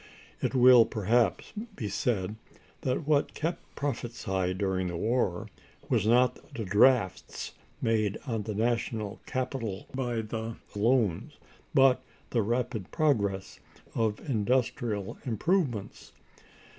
It will, perhaps, be said that what kept profits high during the war was not the drafts made on the national capital by the loans, but the rapid progress of industrial improvements.